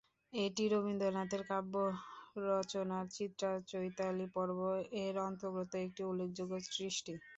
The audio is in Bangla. এটি রবীন্দ্রনাথের কাব্য রচনার "চিত্রা-চৈতালি পর্ব"-এর অন্তর্গত একটি উল্লেখযোগ্য সৃষ্টি।